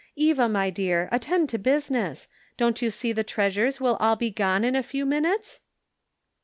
Eva, my dear, attend to business ; don't you see the treasures will all . be gone in a few minutes